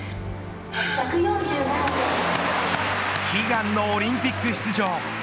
悲願のオリンピック出場。